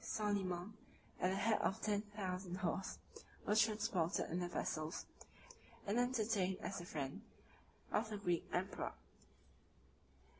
Soliman, at the head of ten thousand horse, was transported in the vessels, and entertained as the friend, of the Greek emperor.